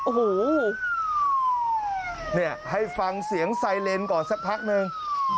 โหให้ฟังเสียงไซเลนก่อนสักพักหนึ่ง